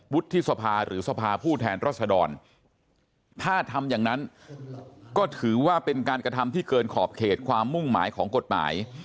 วุฒิสภาหรือสภาผู้แทนรัศดรถ้าทำอย่างนั้นก็ถือว่าเป็นการกระทำที่เกินขอบเขตความมุ่งหมายของกฎหมาย